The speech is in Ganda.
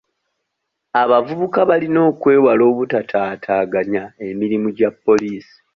Abavubuka balina okwewala obutaataaganya emirimu gya poliisi.